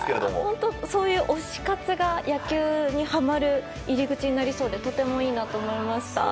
本当、そういう推し活が野球にはまる入り口になりそうでとてもいいなと思いました。